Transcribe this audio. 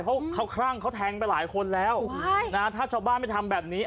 เพราะเขาคลั่งเขาแทงไปหลายคนแล้วถ้าชาวบ้านไม่ทำแบบนี้